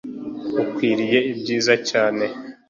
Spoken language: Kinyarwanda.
ukwiriye ibyiza cyane